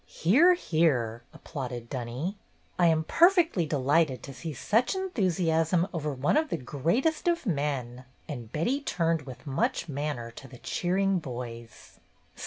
"Hear! hear!" applauded Dunny. "I am perfectly delighted to see such en thusiasm over one of the greatest of men," and Betty turned with much manner to the cheering boys.